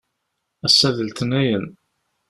Assa d letnayen.